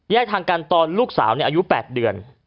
ทางกันตอนลูกสาวอายุ๘เดือน